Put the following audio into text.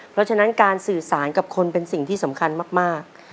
เพราะฉะนั้นการสื่อสารกับคนเป็นสิ่งที่สำคัญมาก